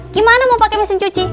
gimana mau pakai mesin cuci